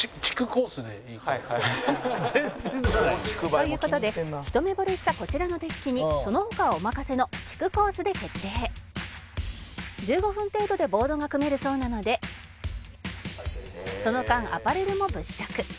「という事で一目惚れしたこちらのデッキにその他お任せの竹コースで決定」「１５分程度でボードが組めるそうなのでその間アパレルも物色」